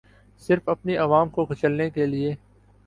صرف اپنی عوام کو کچلنے کیلیے